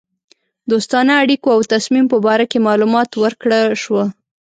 دوستانه اړېکو او تصمیم په باره کې معلومات ورکړه شوه.